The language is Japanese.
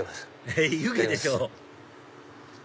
えっ湯気でしょ！